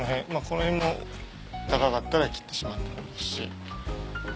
この辺も高かったら切ってしまってもいいし。